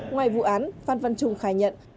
ngoài vụ án phan văn trung khai nhận